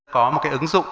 có một cái ứng dụng